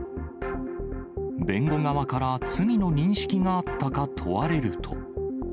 弁護側から罪の認識があったか問われると。